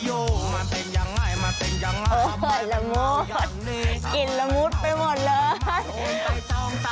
โอ้รมุดกลิ่นรมุดไปหมดเลย